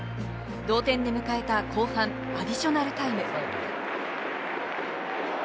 同点で迎えた、後半アディショナルタイム。